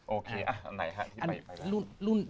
โอเคอ่ะไหนค่ะที่ไป